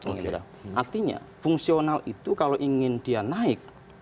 artinya fungsional itu kalau ingin dia naik